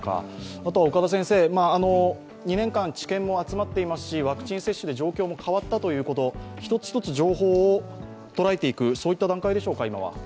あとは、２年間、知見も集まっていますしワクチン接種で状況も変わったということ一つ一つ情報を捉えていく今はそういった段階でしょうか？